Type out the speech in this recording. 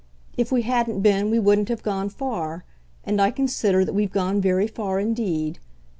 If we hadn't been we wouldn't have gone far and I consider that we've gone very far indeed.